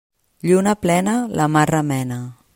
Lluna plena la mar remena.